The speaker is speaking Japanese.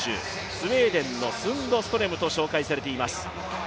スウェーデンのスンドストレムと紹介されています。